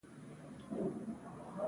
افغانستان د باران په اړه علمي څېړنې لري.